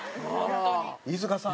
飯塚さん。